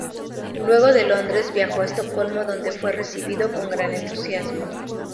Luego de Londres viajó a Estocolmo donde fue recibido con gran entusiasmo.